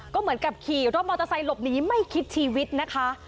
ก็เหมือนกับขี่รถมอเตอร์ไซค์หลบหนีไม่คิดชีวิตนะคะ